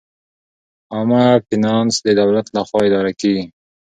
عامه فینانس د دولت لخوا اداره کیږي.